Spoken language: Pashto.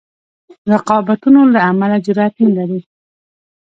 رقابتونو له امله جرأت نه لري.